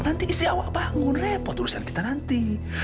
nanti isi awak bangun repot urusan kita nanti